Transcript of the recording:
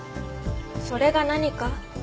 それが何か？